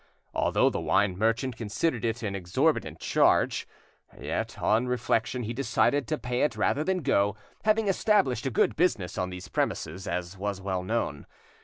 Although the wine merchant considered it an exorbitant charge, yet on reflection he decided to pay it rather than go, having established a good business on these premises, as was well known.